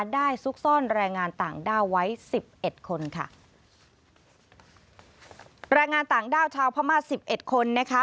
ซุกซ่อนแรงงานต่างด้าวไว้สิบเอ็ดคนค่ะแรงงานต่างด้าวชาวพม่าสิบเอ็ดคนนะคะ